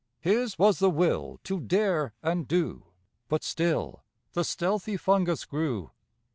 His was the will to dare and do; But still the stealthy fungus grew.